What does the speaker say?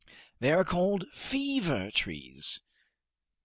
"They are called 'fever trees.